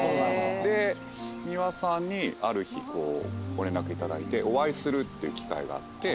で美輪さんにある日ご連絡いただいてお会いするっていう機会があって。